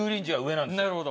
なるほど。